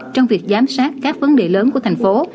trong việc giám sát các vấn đề lớn của thành phố